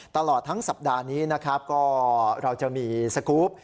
ตลอดทั้งสัปดาห์นี้นะครับก็เราจะมีสกรูป